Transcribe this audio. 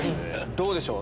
どうでしょう？